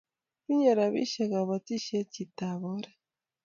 Tinye robishe kabotishe chita oree